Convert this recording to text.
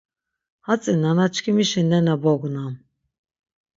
Hatzi nanaçkimişi nena bognam.